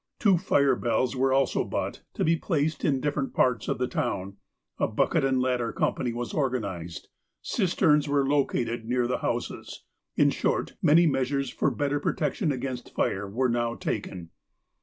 Two fire bells were also bought, to be placed in different parts of the town. A bucket and ladder company was organized. Cisterns were located near the houses. In short, many measures for better protection against fire were now taken.